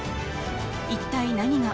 一体何が